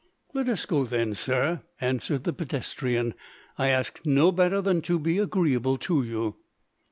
"Let us go, then, sir," answered the pedestrian. "I ask no better than to be agreeable to you."